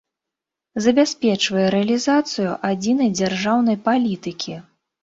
Забяспечвае рэалiзацыю адзiнай дзяржаўнай палiтыкi.